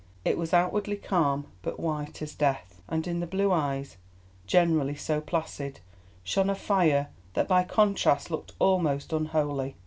It was outwardly calm but white as death, and in the blue eyes, generally so placid, shone a fire that by contrast looked almost unholy.